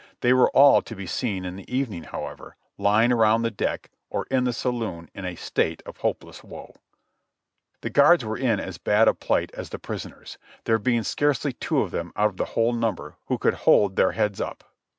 They were all to be seen in the even ing, however, lying around the deck or in the saloon in a state of hopeless woe. The guards were in as bad a plight as the pris oners, there being scarcely two of them out of the whole number who could hold their heads up.